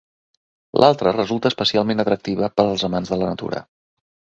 L'altra, resulta especialment atractiva per als amants de la natura.